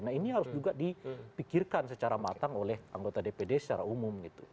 nah ini harus juga dipikirkan secara matang oleh anggota dpd secara umum gitu